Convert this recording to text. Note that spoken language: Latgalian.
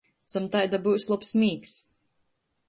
Zam taida byus lobs mīgs!